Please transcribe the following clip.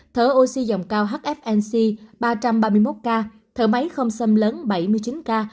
thở oxy dòng cao hfnc ba trăm ba mươi một ca thở máy không xâm lấn bảy mươi chín ca